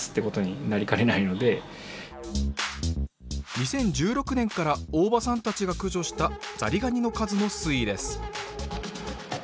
２０１６年から大庭さんたちが駆除したザリガニの数の推移です